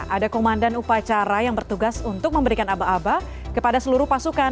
ada komandan upacara yang bertugas untuk memberikan aba aba kepada seluruh pasukan